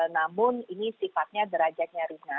namun ini sifatnya derajatnya